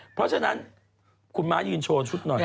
เพราะฉะนั้นคุณม้ายืนโชว์ชุดหน่อย